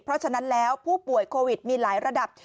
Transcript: เพราะฉะนั้นแล้วผู้ป่วยโควิดมีหลายระดับ